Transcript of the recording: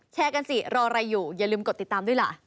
กันสิรออะไรอยู่อย่าลืมกดติดตามด้วยล่ะ